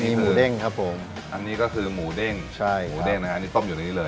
มีหมูเด้งครับผมอันนี้ก็คือหมูเด้งใช่หมูเด้งนะฮะอันนี้ต้มอยู่ในนี้เลย